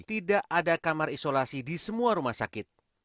tidak ada kamar isolasi di semua rumah sakit